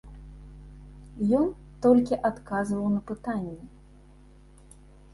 Ён толькі адказваў на пытанні.